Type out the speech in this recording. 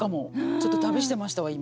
ちょっと旅してましたわ今。